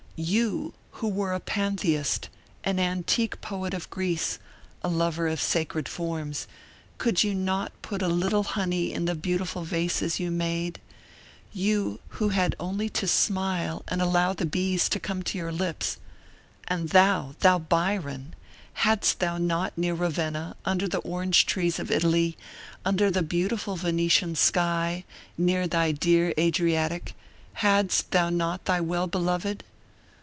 You, who were a pantheist, and antique poet of Greece, a lover of sacred forms, could you not put a little honey in the beautiful vases you made; you, who had only to smile and allow the bees to come to your lips? And thou, thou Byron, hadst thou not near Ravenna, under thy orange trees of Italy, under thy beautiful Venetian sky, near thy dear Adriatic, hadst thou not thy well beloved?